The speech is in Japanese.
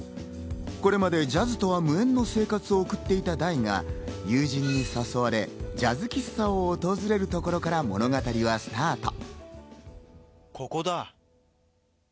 これまでジャズとは無縁の生活を送っていたが、友人に誘われ、ジャズ喫茶に訪れるところから物語はスタート。